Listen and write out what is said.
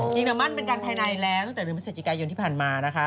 จริงหรือมั่นเป็นการภายในแล้วตั้งแต่ประเศษจิกายนที่ผ่านมานะคะ